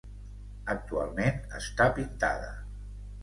Actualment està pintada.